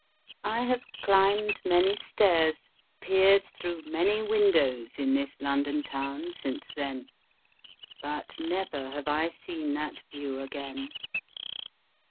I have climbed many stairs, peered through many windows in this London town since then, but never have I seen that view again.